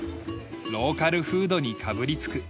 ローカルフードにかぶりつく。